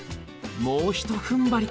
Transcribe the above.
もうひとふんばり。